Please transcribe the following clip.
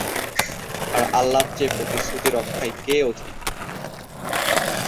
আর আল্লাহর চেয়ে প্রতিশ্রুতি রক্ষায় কে অধিক?